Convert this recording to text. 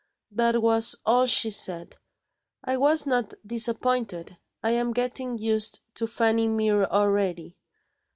That was all she said; I was not disappointed I am getting used to Fanny Mere already.